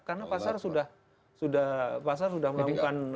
karena pasar sudah melakukan